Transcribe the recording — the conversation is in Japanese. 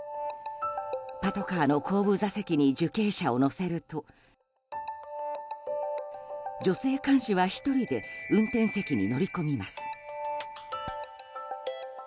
パトカーの後部座席に受刑者を乗せると女性看守は１人で運転席に乗り込みます。